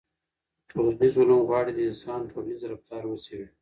ټولنیز علوم غواړي د انسان ټولنیز رفتار وڅېړي.